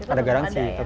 ada garansi lah ya